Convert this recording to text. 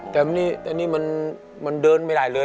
แต่อันนี้มันเดินไม่รายเลย